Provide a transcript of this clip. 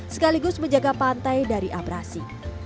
sekaligus menjaga pantai dari abrasi